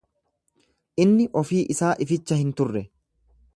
Inni ofii isaa ificha hin turre.